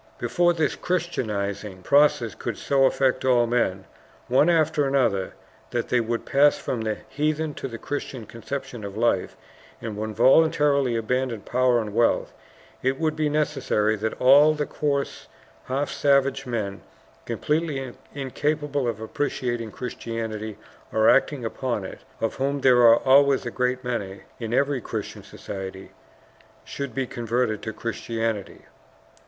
"Before this Christianizing process could so affect all men one after another that they would pass from the heathen to the Christian conception of life, and would voluntarily abandon power and wealth, it would be necessary that all the coarse, half savage men, completely incapable of appreciating Christianity or acting upon it, of whom there are always a great many in every Christian society, should be converted to Christianity.